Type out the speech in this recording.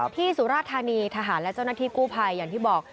สุราธานีทหารและเจ้าหน้าที่กู้ภัยอย่างที่บอก